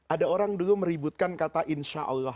ada orang dulu meributkan kata insya allah